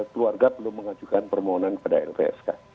keluarga belum mengajukan permohonan kepada lpsk